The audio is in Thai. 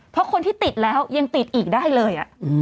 เพราะคนที่ติดแล้วยังติดอีกได้เลย